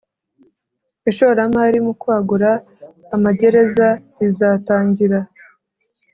ishoramari mu kwagura amagereza rizatangira